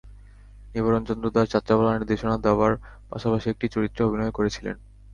নিবারণ চন্দ্র দাস যাত্রাপালা নির্দেশনা দেওয়ার পাশাপাশি একটি চরিত্রে অভিনয় করছিলেন।